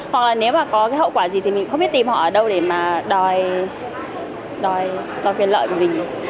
hoặc là nếu mà có cái hậu quả gì thì mình không biết tìm họ ở đâu để mà đòi toàn quyền lợi của mình